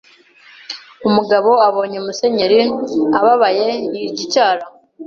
Umugabo abonye Musenyeri ababaye yirya icyara